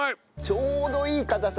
ちょうどいい硬さ。